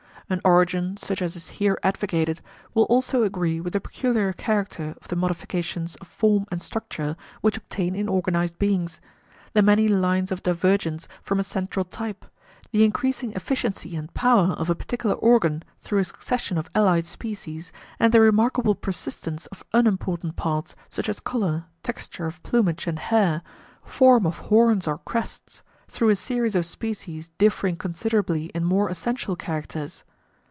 An origin such as is here advocated will also agree with the peculiar character of the modifications of form and structure which obtain in organized beings the many lines of divergence from a central type, the increasing efficiency and power of a particular organ through a succession of allied species, and the remarkable persistence of unimportant parts such as colour, texture of plumage and hair, form of horns or crests, through a series of species differing considerably in more essential characters.